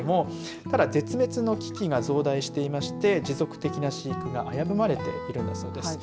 ただ、絶滅の危機が増大していまして持続な飼育が危ぶまれているそうです。